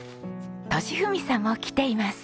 利文さんも来ています。